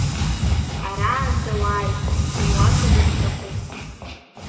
Араанӡа уааи, сынуацәажәар сҭахуп.